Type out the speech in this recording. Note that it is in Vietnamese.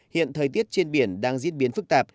hiện thời tiết trên biển đang diễn biến phức tạp